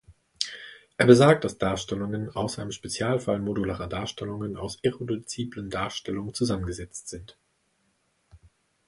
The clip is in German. Er besagt, dass Darstellungen außer im Spezialfall modularer Darstellungen aus irreduziblen Darstellungen zusammengesetzt sind.